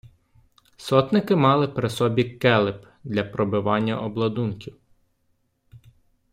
Сотники мали при собі келеп для пробивання обладунків.